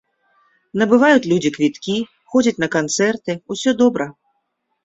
Набываюць людзі квіткі, ходзяць на канцэрты, усё добра.